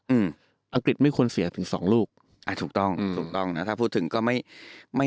อืมอังกฤษไม่ควรเสียถึงสองลูกอ่าถูกต้องถูกต้องนะถ้าพูดถึงก็ไม่